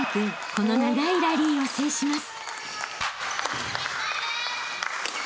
この長いラリーを制します］